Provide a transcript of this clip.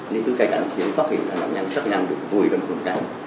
nếu có cái cảnh xuyên phát hiện nạn nhân sắp nhanh vùi vòng tròn